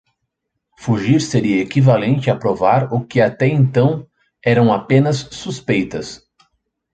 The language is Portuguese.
Fugir seria equivalente a provar o que até então eram apenas suspeitas.